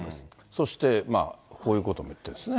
そして、こういうことも言ってるんですね。